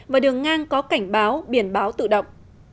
và đường ngang có cảnh báo biển báo tự động